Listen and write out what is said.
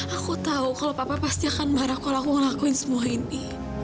aku tahu kalau papa pasti akan marah kalau aku ngelakuin semua ini